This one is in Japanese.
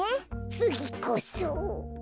つぎこそ。